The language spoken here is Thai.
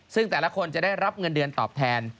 ซึ่งแต่ละคนจะได้รับเงินเดือนตอบแทน